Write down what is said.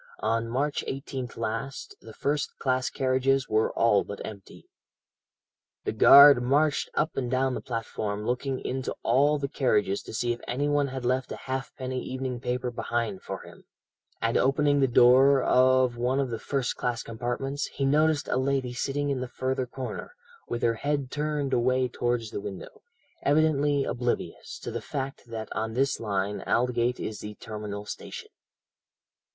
on March 18th last, the first class carriages were all but empty. "The guard marched up and down the platform looking into all the carriages to see if anyone had left a halfpenny evening paper behind for him, and opening the door of one of the first class compartments, he noticed a lady sitting in the further corner, with her head turned away towards the window, evidently oblivious of the fact that on this line Aldgate is the terminal station.